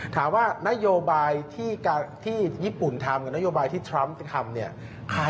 ถามว่านโยบายที่ญี่ปุ่นทำกับนโยบายที่ทรัมป์ทำเนี่ย